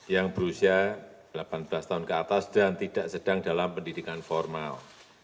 yang berusia delapan belas tahun ke atas dan tidak sedang dalam pendidikan formal